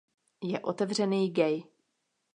Je otevřený gay.